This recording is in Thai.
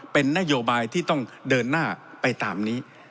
เป็นนโยบายที่ต้องเดินหน้าไปตามนี้